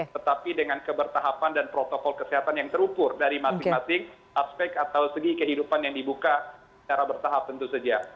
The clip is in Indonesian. tetapi dengan kebertahapan dan protokol kesehatan yang terukur dari masing masing aspek atau segi kehidupan yang dibuka secara bertahap tentu saja